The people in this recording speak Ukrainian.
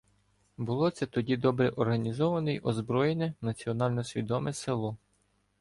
Було це тоді добре організоване й озброєне, національно свідоме село.